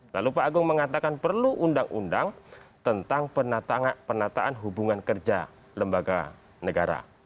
lalu pak agung mengatakan perlu undang undang tentang penataan hubungan kerja lembaga negara